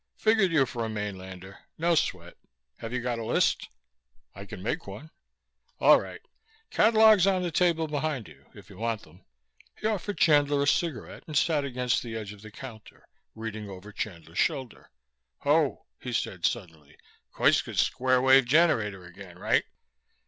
"Figured you for a mainlander. No sweat. Have you got a list?" "I can make one." "All right. Catalogues on the table behind you, if you want them." He offered Chandler a cigarette and sat against the edge of the counter, reading over Chandler's shoulder. "Ho," he said suddenly. "Koitska's square wave generator again, right?"